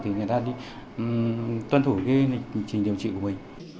thì người ta đi tuân thủ cái lịch trình điều trị của mình